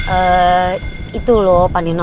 eh itu loh pak nino